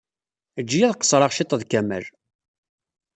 Eǧǧ-iyi ad qeṣṣreɣ cwiṭ ed Kamal.